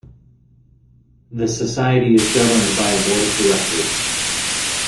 The Society is governed by a board of directors.